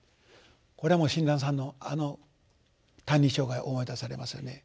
これはもう親鸞さんのあの「歎異抄」が思い出されますよね。